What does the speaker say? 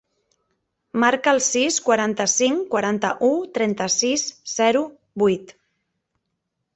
Marca el sis, quaranta-cinc, quaranta-u, trenta-sis, zero, vuit.